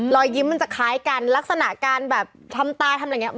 รอยยิ้มมันจะคล้ายกันลักษณะการแบบทำตายทำอะไรอย่างนี้